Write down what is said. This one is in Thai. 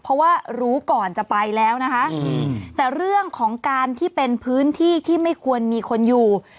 เพราะว่ารู้ก่อนจะไปแล้วนะคะแต่เรื่องของการที่เป็นพื้นที่ที่ไม่ควรมีคนอยู่